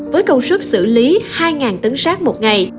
với công suất xử lý hai tấn rác một ngày